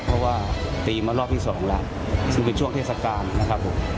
เพราะว่าตีมารอบที่สองแล้วซึ่งเป็นช่วงเทศกาลนะครับผม